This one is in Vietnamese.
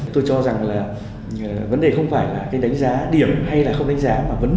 tôi cho rằng là vấn đề không phải là cái đánh giá điểm hay là không đánh giá